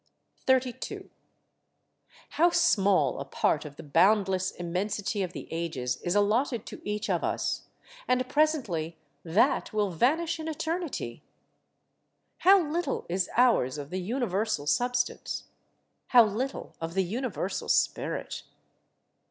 32. How small a part of the boundless immensity of the ages is allotted to each of us, and presently that will vanish in eternity! How little is ours of the universal substance; how little of the universal spirit!